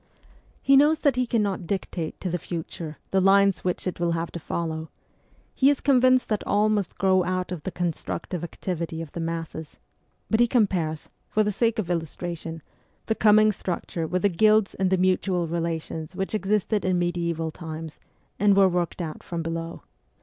He knows that he cannot dictate to the future the lines which it will have to follow ; he is convinced that all must grow out of ( the constructive activity of the masses, but he compares, for the sake of illustration, the coming structure with the guilds and the mutual relations which existed in mediaeval times, and were worked out from below.